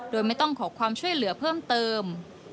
โดยไม่ต้องขอความช่วยเหลือเพิ่มเติม